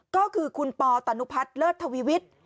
ก็คือคุณปอตนุพัฒน์เลิศทวีวิทย์